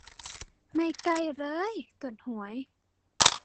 ไม่ใกล้เล้ย ตรวจหวย